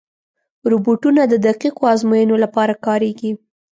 روبوټونه د دقیقو ازموینو لپاره کارېږي.